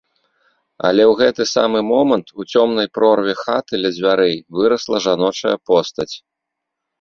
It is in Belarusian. Але ў гэты самы момант у цёмнай прорве хаты ля дзвярэй вырасла жаночая постаць.